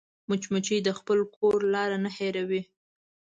مچمچۍ د خپل کور لار نه هېروي